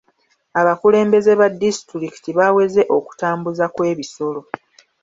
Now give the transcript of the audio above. Abakulembeze ba disitulikiti baaweze okutambuza kw'ebisolo.